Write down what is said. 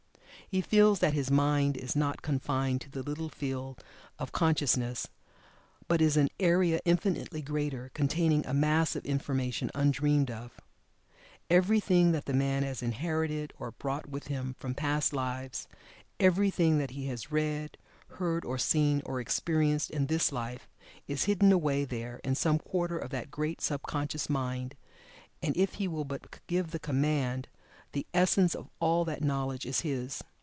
He feels that his "mind" is not confined to the little field of consciousness, but is an area infinitely greater, containing a mass of information undreamed of. Everything that the man has inherited, or brought with him from past lives everything that he has read, heard or seen, or experienced in this life, is hidden away there in some quarter of that great sub conscious mind, and, if he will but give the command, the "essence" of all that knowledge is his.